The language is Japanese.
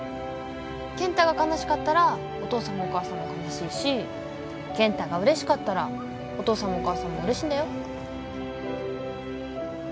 健太が悲しかったらお父さんもお母さんも悲しいし健太がうれしかったらお父さんもお母さんもうれしいんだよ。